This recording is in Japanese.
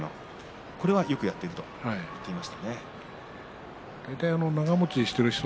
これは、よくやっているという話をしていました。